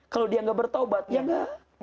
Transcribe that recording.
kalau dia nggak bertaubat ya enggak